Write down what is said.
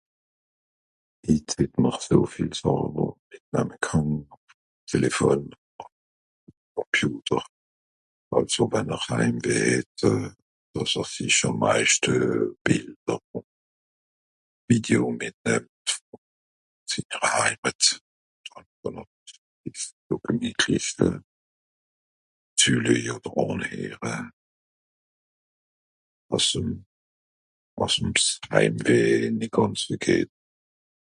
hit seh mr so viel sàche wie mr mìnamme kànn téléphone computer àlso wa'er heim ... euh dàss er sich àm meischte ... vidéos mìtnamme ... züleije oder àn lehre (àss nìt heim weh) ...